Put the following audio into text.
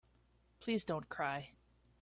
Please don't cry.